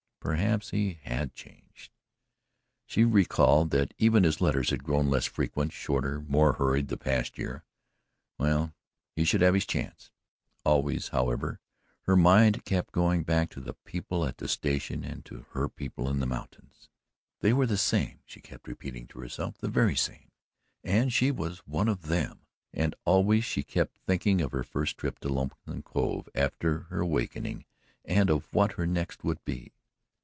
Perhaps he HAD changed. She recalled that even his letters had grown less frequent, shorter, more hurried the past year well, he should have his chance. Always, however, her mind kept going back to the people at the station and to her people in the mountains. They were the same, she kept repeating to herself the very same and she was one of them. And always she kept thinking of her first trip to Lonesome Cove after her awakening and of what her next would be.